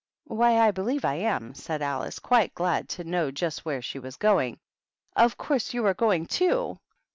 " Why, I believe I am," said Alice, quite glad to know just where she was going. " Of course, you are going, too?"